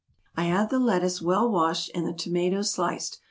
"] "I have the lettuce well washed, and the tomatoes sliced.